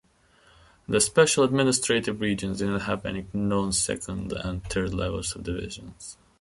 The special administrative regions do not have any known second- and third-level subdivisions.